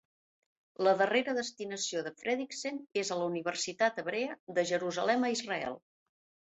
La darrera destinació de Fredriksen és a la Universitat Hebrea de Jerusalem a Israel.